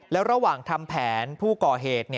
แล้วระหว่างทำแผนผู้ก่อเหตุ